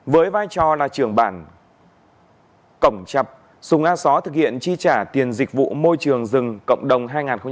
với vai trò là trưởng bản cổng chập sùng a só thực hiện chi trả tiền dịch vụ môi trường rừng cộng đồng hai nghìn hai mươi